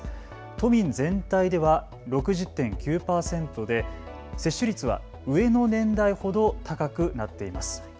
都民全体では６０．９％で接種率は上の年代ほど高くなっています。